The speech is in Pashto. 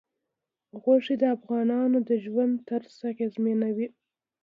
غوښې د افغانانو د ژوند طرز اغېزمنوي.